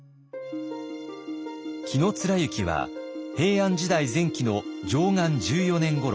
紀貫之は平安時代前期の貞観十四年ごろ